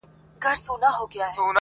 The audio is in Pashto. چي یوه ژبه لري هغه په دار دی.